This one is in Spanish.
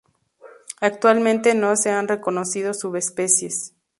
Actualmente no se han reconocido subespecies.